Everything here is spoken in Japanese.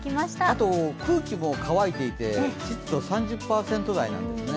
あと空気も乾いていて、湿度３０％台なんですね。